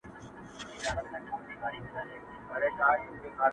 زېری مو راباندي ریشتیا سوي مي خوبونه دي!